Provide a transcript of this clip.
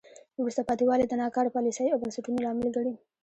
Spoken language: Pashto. وروسته پاتې والی د ناکاره پالیسیو او بنسټونو لامل ګڼي.